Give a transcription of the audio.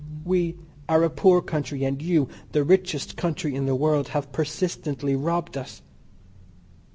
We are a poor country and you, the richest country in the world, have persistently robbed us.